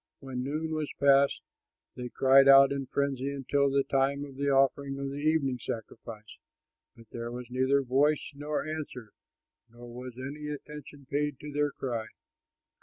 When noon was past, they cried out in frenzy until the time of the offering of the evening sacrifice; but there was neither voice nor answer nor was any attention paid to their cry.